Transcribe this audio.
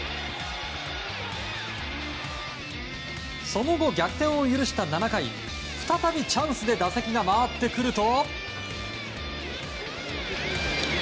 その後、逆転を許した７回再びチャンスで打席が回ってくると。